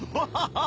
ああ！